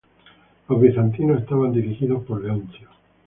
Los bizantinos estaban dirigidos por Leoncio.